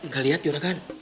gak liat yorakan